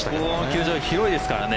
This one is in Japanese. この球場は広いですからね。